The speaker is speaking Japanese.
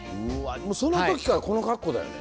その時からこの格好だよね。